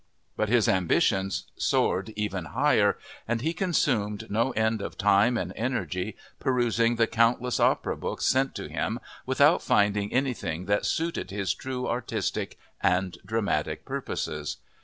But his ambitions soared even higher and he consumed no end of time and energy perusing the countless opera books sent to him without finding anything that suited his true artistic and dramatic purposes.